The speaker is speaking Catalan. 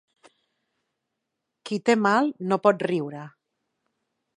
Qui té mal no pot riure.